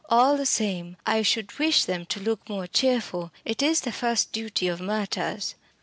All the same, I should wish them to look more cheerful. It is the first duty of martyrs."